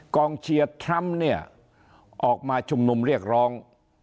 กองเชียร์ทรัมป์เนี่ยออกมาชุมนุมเรียกร้อง